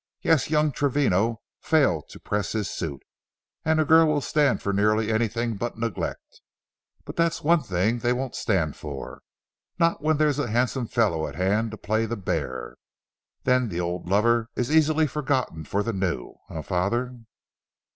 Yes; young Travino failed to press his suit, and a girl will stand for nearly anything but neglect. But that's one thing they won't stand for, not when there's a handsome fellow at hand to play the bear. Then the old lover is easily forgotten for the new. Eh, Father?"